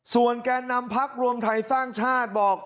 ส่วนแก่นำพักรวมไทยสร้างชาติบอก